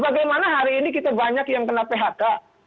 bagaimana hari ini kita banyak yang kena phk